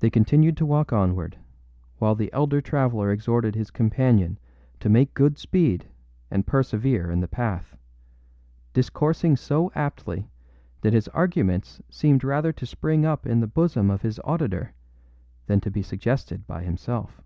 They continued to walk onward, while the elder traveller exhorted his companion to make good speed and persevere in the path, discoursing so aptly that his arguments seemed rather to spring up in the bosom of his auditor than to be suggested by himself.